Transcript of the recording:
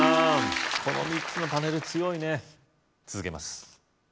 この３つのパネル強いね続けます